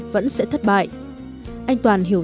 vẫn sẽ thất bại anh toàn hiểu